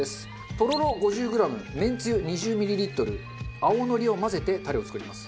とろろ５０グラムめんつゆ２０ミリリットル青のりを混ぜてタレを作ります。